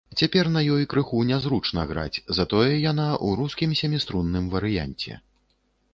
Цяпер на ёй крыху нязручна граць, затое яна ў рускім сяміструнным варыянце.